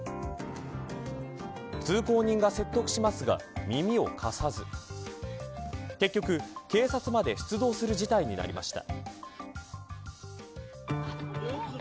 通行人が説得しますが耳を貸さず結局、警察まで出動する事態になりました。